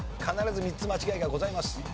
必ず３つ間違いがございます。